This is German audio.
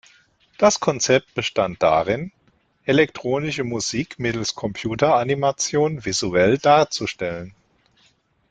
Das Konzept bestand darin, elektronische Musik mittels Computeranimationen visuell darzustellen.